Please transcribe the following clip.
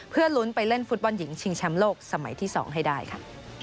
เพื่อลุ้นไปเล่นฟุตบอลหญิงชิงแชมป์โลกสมัยที่๒ให้ได้ค่ะ